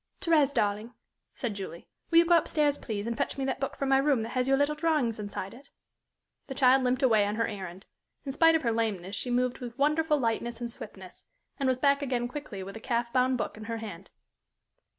"Thérèse, darling," said Julie, "will you go up stairs, please, and fetch me that book from my room that has your little drawings inside it?" The child limped away on her errand. In spite of her lameness she moved with wonderful lightness and swiftness, and she was back again quickly with a calf bound book in her hand.